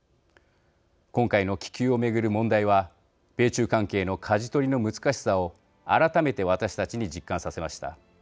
今回の気球を巡る問題は米中関係のかじ取りの難しさを改めて私たちに実感させました。